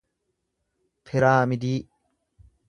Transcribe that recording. piraamidii